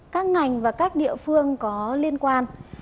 các ngành và các địa phương có liên quan